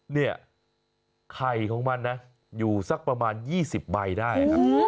เนี่ยไข่ของมันนะอยู่สักประมาณ๒๐ใบได้ครับ